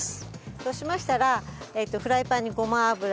そうしましたらフライパンにごま油を入れて。